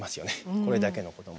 これだけのことも。